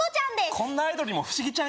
こんなアイドルにも不思議ちゃん